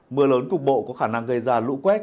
mưa lớn cục bộ có khả năng gây ra lũ quét